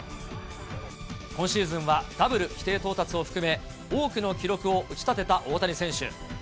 今シーズンはダブル規定到達を含め、多くの記録を打ち立てた大谷選手。